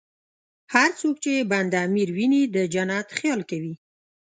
هر څوک چې بند امیر ویني، د جنت خیال کوي.